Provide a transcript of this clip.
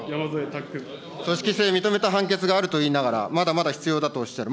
組織性、認めた判決があると言いながら、まだまだ必要だとおっしゃる。